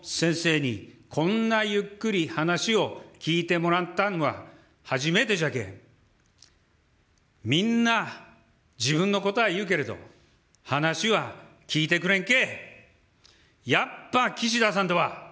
政治家の先生にこんなゆっくり話を聞いてもらったのは初めてじゃけ、みんな、自分のことは言うけれど、話は聞いてくれんけえ、やっぱ岸田さんだわ。